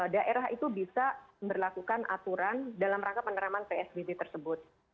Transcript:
daerah itu bisa berlakukan aturan dalam rangka penerapan psbb tersebut